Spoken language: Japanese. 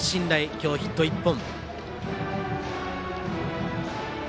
今日、ヒット１本。